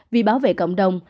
vì bảo vệ cộng đồng